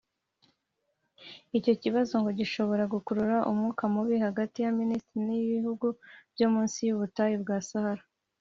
Icyo kibazo ngo gishobora gukurura umwuka mubi hagati ya Misiri n’ibihugu byo munsi y’ubutayu bwa Sahara